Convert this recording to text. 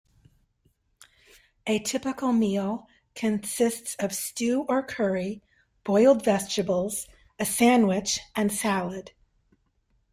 A typical meal consists of stew or curry, boiled vegetables, a sandwich, and salad.